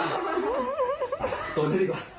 ส่วนเท่านี้ดิก่อน